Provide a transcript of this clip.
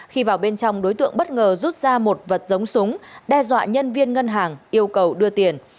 khi vào bên trong đối tượng bất ngờ rút ra một vật giống súng đe dọa nhân viên ngân hàng yêu cầu đưa tiền